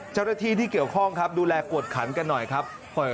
เจ้าหน้าที่ที่เกี่ยวข้องครับดูแลกวดขันกันหน่อยครับ